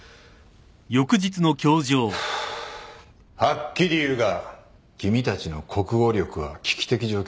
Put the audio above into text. はっきり言うが君たちの国語力は危機的状況だ。